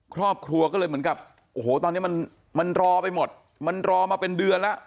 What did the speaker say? ครอบครัวก็เลยเหมือนกับโอ้โหตอนนี้มันมันรอไปหมดมันรอมาเป็นเดือนแล้ว